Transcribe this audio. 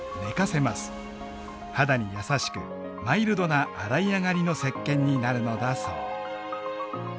肌に優しくマイルドな洗い上がりのせっけんになるのだそう。